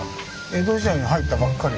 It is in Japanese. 江戸時代に入ったばっかり。